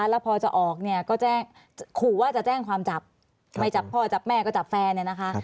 แล้วพอจะออกเนี่ยก็แจ้งขู่ว่าจะแจ้งความจับไม่จับพ่อจับแม่ก็จับแฟนเนี่ยนะคะ